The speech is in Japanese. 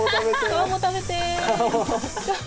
皮も食べてー。